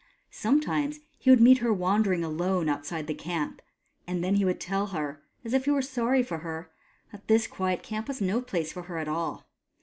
Some times he would meet her wandering alone outside HOW LIGHT CAME 109 the camp, and then he would tell her, as if he were sorry for her, that this quiet camp was no place for her at all.